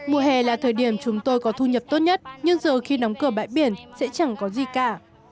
mùa hè là thời điểm chúng tôi có thu nhập tốt nhất nhưng giờ khi đóng cửa bãi biển sẽ chẳng có gì cả